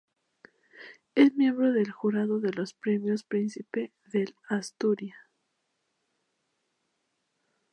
Es miembro del jurado de los Premios Príncipe de Asturias.